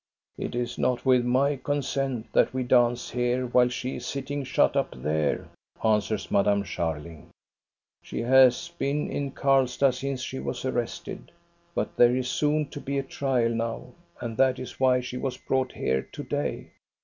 " It is not with my consent that we dance here, while she is sitting shut up there," answers Madame Scharling. " She has been in Karlstad since she was arrested. But there is soon to be a trial now, and that is why she was brought here to day.